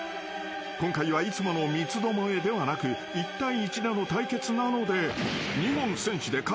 ［今回はいつもの三つどもえではなく１対１での対決なので］